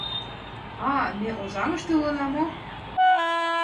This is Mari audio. — А-а... ме Озаҥыште улына мо?